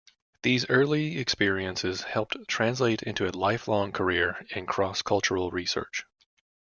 These early experiences helped translate into a lifelong career in cross-cultural research.